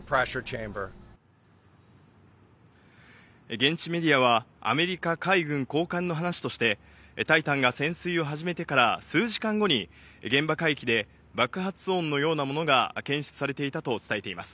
現地メディアは、アメリカ海軍高官の話としてタイタンが潜水を始めてから数時間後に現場海域で爆発音のようなものが検出されていたと伝えています。